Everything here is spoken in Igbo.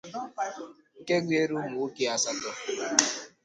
nke gụnyere ụmụnwoke asatọ